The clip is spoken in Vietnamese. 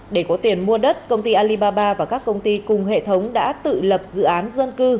để có tiền mua đất công ty alibaba và các công ty cùng hệ thống đã tự lập dự án dân cư